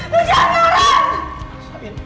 lo jahat orang